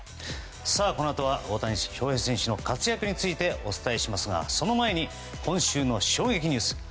このあとは大谷翔平選手の活躍についてお伝えしますがその前に、今週の衝撃ニュース。